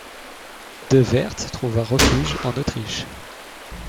De Werth trouva refuge en Autriche.